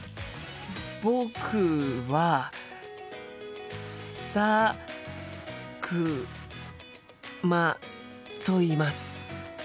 僕は佐久間といいます。